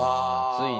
ついに。